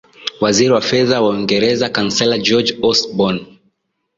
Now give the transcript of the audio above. waziri wa fedha wa uingereza councellor george osborn